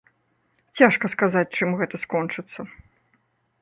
Цяжка сказаць, чым гэта скончыцца.